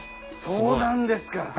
そうなんですか。